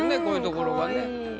こういうところがね。